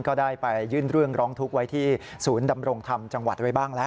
ก็ได้ไปยื่นเรื่องร้องทุกข์ไว้ที่ศูนย์ดำรงธรรมจังหวัดไว้บ้างแล้ว